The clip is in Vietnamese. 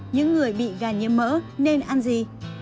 những người bị gan nhiễm mỡ nên ăn gì